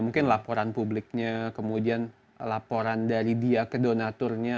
mungkin laporan publiknya kemudian laporan dari dia ke donaturnya